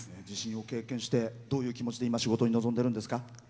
地震を経験してどういう気持ちで今仕事に臨んでるんですか？